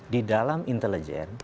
di dalam intelijen